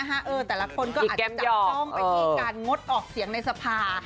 แต่ละคนก็อาจจะจับจ้องไปที่การงดออกเสียงในสภา